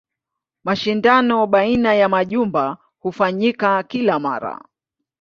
Mashindano baina ya majumba hufanyika kila mara.